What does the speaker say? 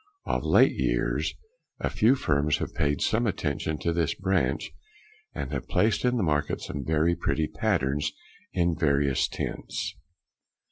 Of late years a few firms have paid some attention to this branch, and have placed in the market some very pretty patterns in various tints.